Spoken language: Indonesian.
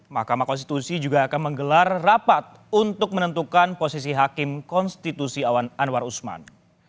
mahkamah konstitusi juga akan menggelar rapat untuk menentukan posisi hakim konstitusi awan anwar usman